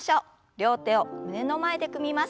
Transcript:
両手を胸の前で組みます。